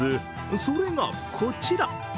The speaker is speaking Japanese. それが、こちら。